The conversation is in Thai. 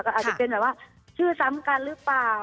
ก็อาจจะเป็นแบบว่าชื่อซ้ำกันหรือเปล่า